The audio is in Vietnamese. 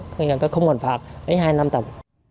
gần gần các không hoàn phạt đấy hai năm tầm